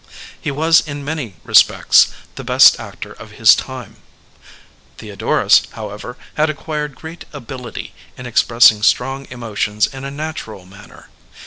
He was in many respects the best actor of his time. Theodorus, however, had acquired great ability in expressing strong emotions in a natural manner.